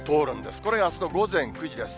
これがあすの午前９時です。